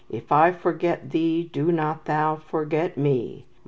If I forget Thee, do not Thou forget me.